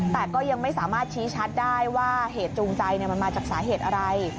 แต่ก็ยังไม่สามารถชี้ชัดได้ว่าเหตุจูงใจมันมาจากสาเหตุอะไร